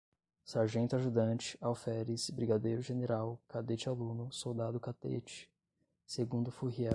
Sargento-Ajudante, Alferes, Brigadeiro-General, Cadete-Aluno, Soldado-Cadete, Segundo-Furriel